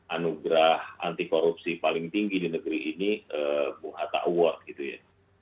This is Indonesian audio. anugerah anti korupsi paling tinggi di negeri ini bung hatta award gitu ya